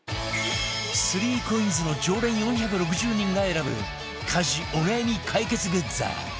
３ＣＯＩＮＳ の常連４６０人が選ぶ家事お悩み解決グッズ